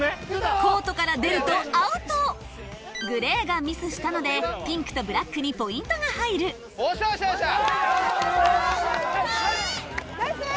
コートから出るとアウトグレーがミスしたのでピンクとブラックにポイントが入るイェイ！